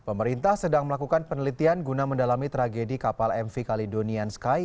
pemerintah sedang melakukan penelitian guna mendalami tragedi kapal mv caledonian sky